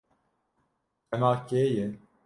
Xema kê ye?